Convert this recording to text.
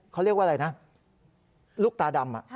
เขาเรียกว่าอะไรนะลูกตาดำ